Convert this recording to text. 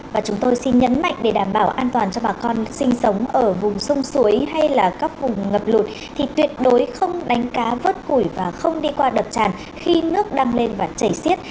và chúng tôi xin nhấn mạnh để đảm bảo an toàn cho bà con sinh sống ở vùng sông suối hay là các vùng ngập lụt thì tuyệt đối không đánh cá vớt củi và không đi qua đập tràn khi nước đang lên và chảy xiết